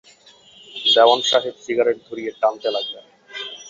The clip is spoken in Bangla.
দেওয়ান সাহেব সিগারেট ধরিয়ে টানতে লাগলেন।